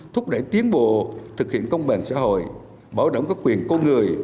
thúc đẩy tiến bộ thực hiện công bằng xã hội bảo đảm các quyền con người